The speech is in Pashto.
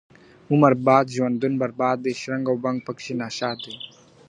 عمر باد ژوندون برباد دی شرنګ او بنګ پکښي ناښاد دی .